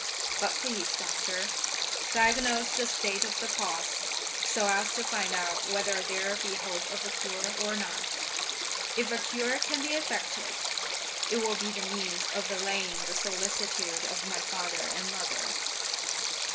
But please, Doctor, diagnose the state of the pulse, so as to find out whether there be hope of a cure or not; if a cure can be effected, it will be the means of allaying the solicitude of my father and mother."